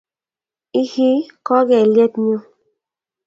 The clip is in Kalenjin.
Ihii kokelyet nyuu